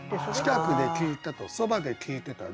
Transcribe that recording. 「近くで聴いた」と「そばで聴いてた」